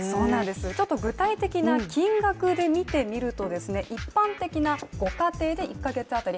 ちょっと具体的な金額で見てみると一般的な、ご家庭で１か月当たり